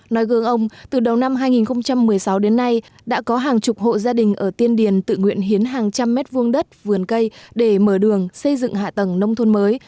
nói gương ông từ đầu năm hai nghìn một mươi sáu đến nay đã có hàng chục hộ gia đình ở tiên điền tự nguyện hiến hàng trăm mét vuông đất vườn cây để mở đường xây dựng hạ tầng nông thôn mới